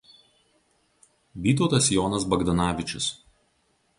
Vytautas Jonas Bagdanavičius.